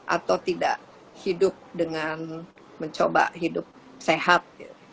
atau tidak hidup dengan mencoba hidup sehat